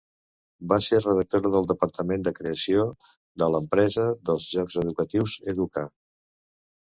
Va ser redactora del departament de creació de l'empresa dels jocs educatius Educa.